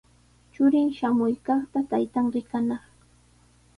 Churin shamuykaqta taytan rikanaq.